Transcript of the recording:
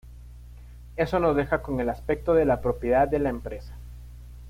Eso nos deja con el aspecto de la propiedad de la empresa.